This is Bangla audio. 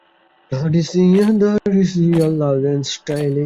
লাদেন স্টাইলে ভিডিওবার্তা দিয়ে নির্বাচন যেতে নিষেধ করা হলেও জনগণ সাড়া দেয়নি।